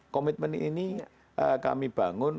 komitmen ini kami bangun